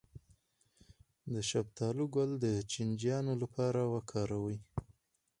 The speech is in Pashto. د شفتالو ګل د چینجیانو لپاره وکاروئ